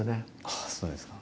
あっそうですか。